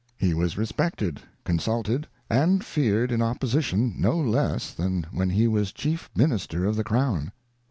He was respected, consulted, and feared in opposition no less than when he was chief Minister of the Crown.